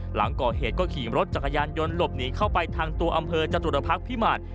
หลังก่อเหตุก็ขี่รถจักรยานยนต์หลบหนีเข้าไปทางตัวอำเภอจตุรพักษ์พิมาร